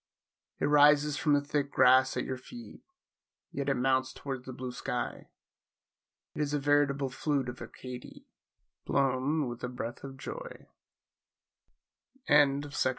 It rises from the thick grass at your feet, yet it mounts towards the blue sky! It is a veritable Flute of Arcady blown with a breath of joy. Ella F. Mosby.